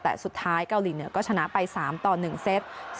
แต่สุดท้ายเกาหลีเหนือก็ชนะไป๓ต่อ๑เซต